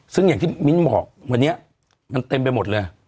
ซึ่งอย่างที่มิ้นบอกวันนี้มันเต็มไปหมดเลย